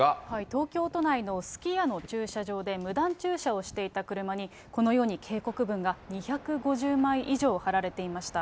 東京都内のすき家の駐車場で無断駐車をしていた車に、このように警告文が２５０枚以上貼られていました。